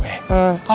kalo kita ke sekolah